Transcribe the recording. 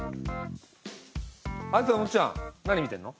豊本ちゃん何見てんの？